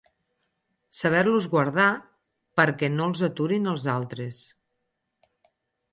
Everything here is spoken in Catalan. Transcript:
Saber-los guardar, perquè no els aturin els altres.